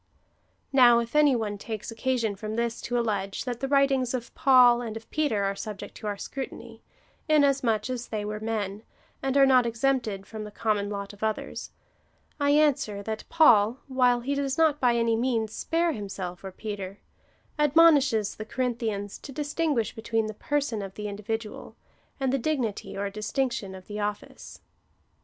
Now if any one takes occasion from this to allege, that the writings both of Paul and of Peter are subject to our scrutiny, inasmuch as they were men, and are not exempted from the common lot of others, I answer, that Paul, while he does not by any means spare himself or Peter, admonishes the Corinthians to distinguish between the person of the individual, and the dignity or distinction of office.